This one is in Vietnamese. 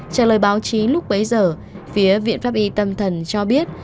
trả lời báo chí lúc bấy giờ phía viện pháp y tâm thần cho biết